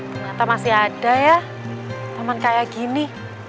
ternyata masih ada ya teman kayak gini